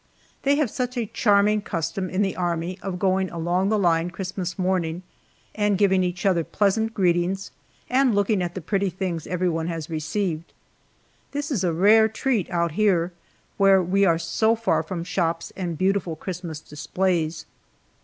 They have such a charming custom in the Army of going along the line Christmas morning and giving each other pleasant greetings and looking at the pretty things everyone has received. This is a rare treat out here, where we are so far from shops and beautiful Christmas displays.